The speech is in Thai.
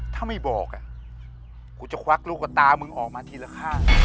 ถ้าไม่บอกกูจะควักลูกกับตามึงออกมาทีละข้าง